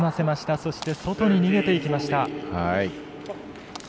そして、外に逃げていきました。